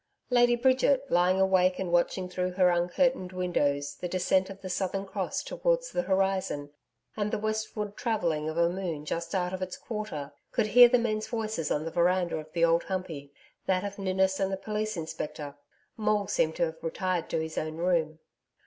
Lady Bridget, lying awake and watching through her uncurtained windows the descent of the Southern Cross towards the horizon, and the westward travelling of a moon just out of its first quarter, could hear the men's voices on the veranda of the Old Humpey that of Ninnis and the Police Inspector; Maule seemed to have retired to his own room.